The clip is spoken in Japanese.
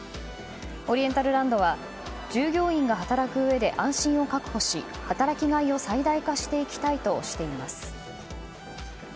オリエンタルランドは従業員が働くうえで安心を確保し、働きがいを最大化していきたいとしています。